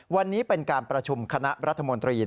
วันนี้เป็นการประชุมคณะรัฐมนตรี